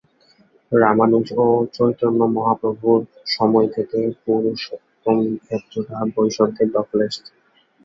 রামানুজ ও চৈতন্য-মহাপ্রভুর সময় থেকে পুরুষোত্তমক্ষেত্রটা বৈষ্ণবদের দখলে এসেছে।